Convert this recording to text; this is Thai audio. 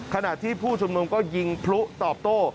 ขณะที่ผู้ชุมนุมก็ยิงพลุตอบโต้